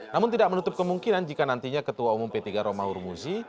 namun tidak menutup kemungkinan jika nantinya ketua umum p tiga romahur muzi